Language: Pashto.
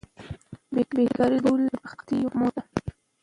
بیکاري د ټولو بدبختیو مور ده.